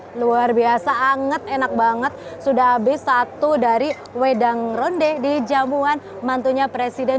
hai luar biasa anget enak banget sudah habis satu dari wedang ronde di jamuan mantunya presiden